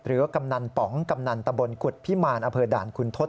กำนันป๋องกำนันตะบนกุฎพิมารออำเภอด่านคุณทศ